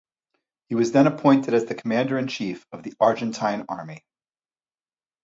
He was then appointed as the Commander and Chief of the Argentine Army.